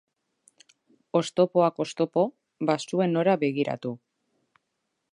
Oztopoak oztopo, bazuen nora begiratu.